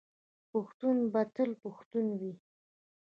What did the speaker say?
پښتون به تل پښتون وي.